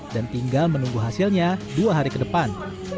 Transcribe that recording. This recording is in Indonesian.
dan tinggal menunggu hasilnya dua hari ke depan